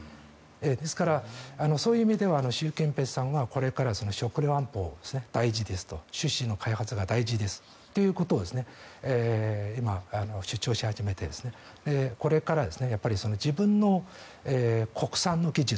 ですから、そういう意味では習近平さんはこれから食料安保、大事ですと種子の開発が大事ですということを今、主張し始めていてこれから国産の技術